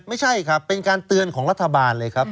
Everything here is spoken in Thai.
ไม่ใช่ครับเป็นการเตือนของรัฐบาลเลยครับ